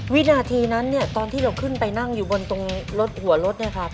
วินาทีนั้นตอนที่เราขึ้นไปนั่งอยู่บนตรงรถหัวลด